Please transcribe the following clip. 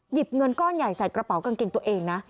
เงินก้อนใหญ่ใส่กระเป๋ากางเกงตัวเองนะ